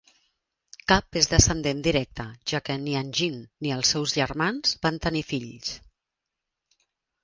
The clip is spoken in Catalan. Cap és descendent directe, ja que ni Jean ni els seus germans van tenir fills.